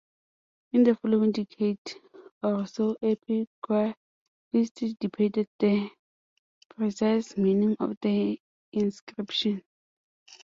In the following decade or so epigraphists debated the precise meaning of the inscription.